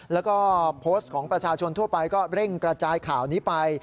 แล้วก็โพสต์ของประชาชนทั่วไปก็เร่งกระจายข่าวนี้ไป